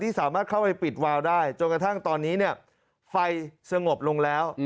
สามารถเข้าไปปิดวาวได้จนกระทั่งตอนนี้เนี่ยไฟสงบลงแล้ว